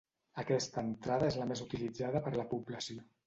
Aquesta entrada és la més utilitzada per la població.